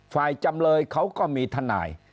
ฝ่ายจำเลยเขาก็มีท่านนาย